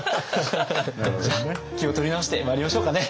じゃあ気を取り直してまいりましょうかね。